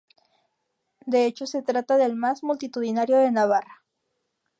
De hecho, se trata del más multitudinario de Navarra.